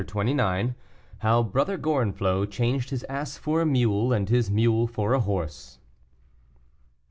CHAPTER XXIX. HOW BROTHER GORENFLOT CHANGED HIS ASS FOR A MULE, AND HIS MULE FOR A HORSE.